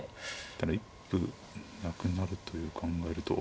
ただ一歩なくなると考えると。